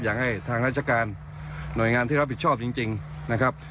อยากให้ทางราชการหน่วยงานที่เราผิดชอบจริงจริงนะครับ